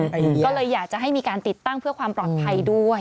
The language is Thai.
ก็เลยอยากจะให้มีการติดตั้งเพื่อความปลอดภัยด้วย